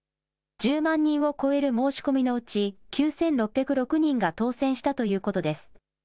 １０万人を超える申し込みのうち９６０６人が当せんしたということです。